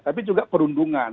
tapi juga perundungan